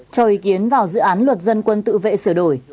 cho ý kiến vào dự án luật dân quân tự vệ sửa đổi